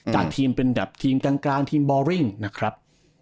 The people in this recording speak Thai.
จากทีมเป็นทีมกลางกลางทีมบอลริ่งนะครับ